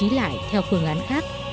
để bố trí lại theo phương án khác